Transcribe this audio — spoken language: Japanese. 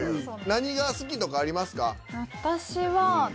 何が好きとかありますか？